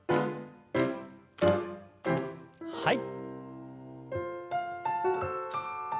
はい。